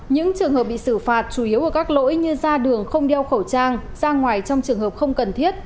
những trường hợp bị xử phạt chủ yếu ở các lỗi như ra đường không đeo khẩu trang ra ngoài trong trường hợp không cần thiết